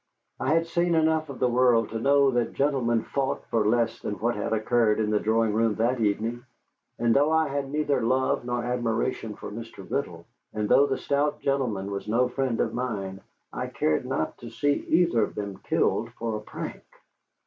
I had seen enough of the world to know that gentlemen fought for less than what had occurred in the drawing room that evening. And though I had neither love nor admiration for Mr. Riddle, and though the stout gentleman was no friend of mine, I cared not to see either of them killed for a prank.